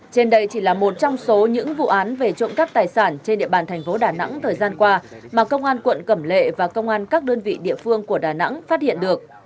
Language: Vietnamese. trên đây chỉ là một trong số những vụ án về trộm cắp tài sản trên địa bàn thành phố đà nẵng thời gian qua mà công an quận cẩm lệ và công an các đơn vị địa phương của đà nẵng phát hiện được